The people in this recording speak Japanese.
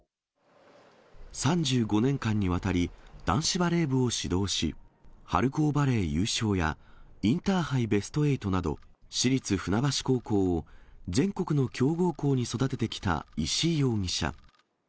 ３５年間にわたり、男子バレー部を指導し、春高バレー優勝や、インターハイベスト８など、市立船橋高校を全国の強豪校に育ててきた石井容疑者。